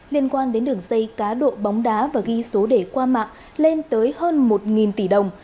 liên quan đến đường dây cá độ bóng đá và ghi số đề qua mạng lên tới hơn một tỷ đồng